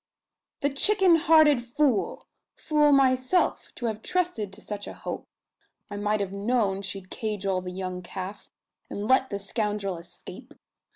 "The chicken hearted fool! Fool myself, to have trusted to such a hope! I might have known she'd cajole the young calf, and let the scoundrel escape.